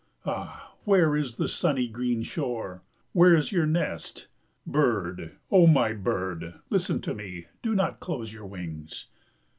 Ah, where is the sunny green shore, where is your nest? Bird, O my bird, listen to me, do not close your wings.